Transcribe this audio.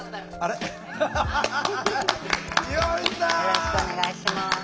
よろしくお願いします。